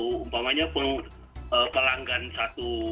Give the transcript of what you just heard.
tetapi kalau kebocorannya terbatas pada orang orang tertentu